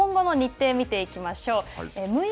では、日本の今後の日程を見ていきましょう。